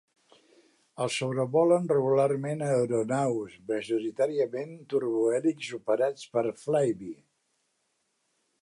El sobrevolen regularment aeronaus, majoritàriament turbohèlixs operats per Flybe.